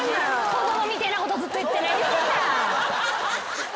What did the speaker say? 子供みてえなことずっと言って何言ってんだ。